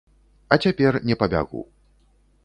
А цяпер не пабягу.